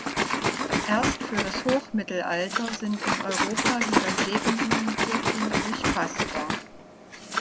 Erst für das Hochmittelalter sind in Europa wieder Sägemühlen urkundlich fassbar.